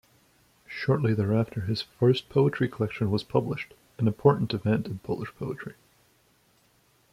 Shortly thereafter, his first poetry collection was published, an important event in Polish poetry.